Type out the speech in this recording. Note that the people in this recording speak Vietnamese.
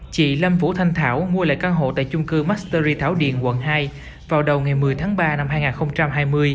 chị lâm vũ thanh thảo mua lại căn hộ tại chung cư mastery thảo điền quận hai vào đầu ngày một mươi tháng ba năm hai nghìn hai mươi